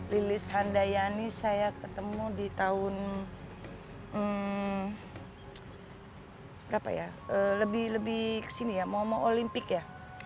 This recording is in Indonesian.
lilis handayani saya ketemu di tahun berapa ya lebih lebih kesini ya mau mau olimpik ya